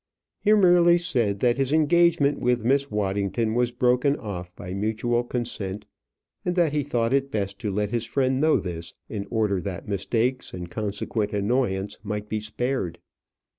He merely said that his engagement with Miss Waddington was broken off by mutual consent, and that he thought it best to let his friend know this in order that mistakes and consequent annoyance might be spared.